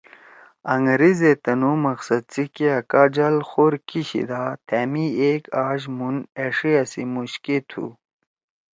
انگریز ئے تنُو مقصد سی کیا کا جال خور کیشیِدا تھأ می ایک آج مُھون أݜیِا سی مُوشکے تُھو